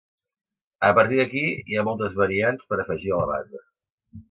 A partir d'aquí hi ha moltes variants per afegir a la base.